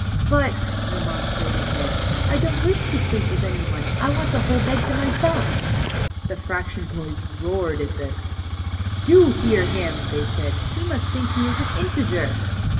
But," remonstrated Ned, I don't wish to sleep with any one. I want a whole bed to myself." The fraction boys roared at this. Do hear him," they said. He must think he is an integer